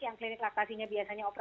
yang klinik laksasinya biasanya open